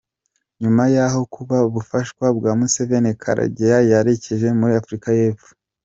Nyuma yaho, ku bufasha bwa Museveni, Karegeya yerekeje muri Afurika y’Epfo.